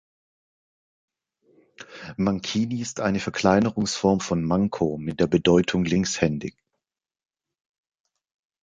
Mancini ist eine Verkleinerungsform von "Manco" mit der Bedeutung linkshändig.